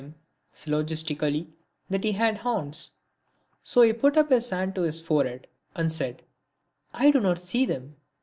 231 him syllogistically that he had horns, so he put his hand to his forehead and said, "I do not see them."